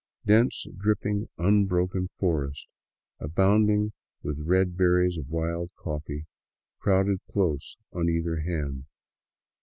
Dense, dripping, unbroken forests, abounding with the red berries of wild coffee, crowded close on either hand.